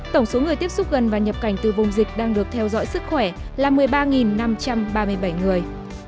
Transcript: tổng số người tiếp xúc gần và nhập cảnh từ vùng dịch đang được theo dõi sức khỏe là một mươi ba năm trăm ba mươi bảy người